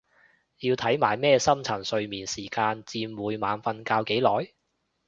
要睇埋咩深層睡眠時間佔每晚瞓覺幾耐？